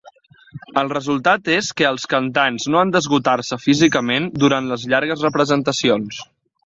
El resultat és que els cantants no han d'esgotar-se físicament durant les llargues representacions.